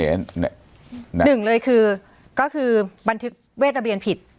หนึ่งเลยคือก็คือบันทึกเวทระเบียนผิด